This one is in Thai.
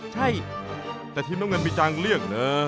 ใช่แต่ทีมน้ำเงินมีจังเลือกนะ